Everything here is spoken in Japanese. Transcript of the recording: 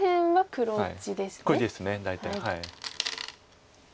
黒地です大体。